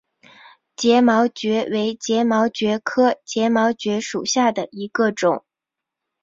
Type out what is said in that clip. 睫毛蕨为睫毛蕨科睫毛蕨属下的一个种。